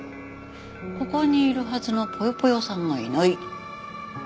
ここにいるはずのぽよぽよさんがいない。